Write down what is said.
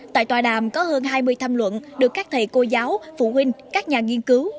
tại tòa đàm có hơn hai mươi tham luận được các thầy cô giáo phụ huynh các nhà nghiên cứu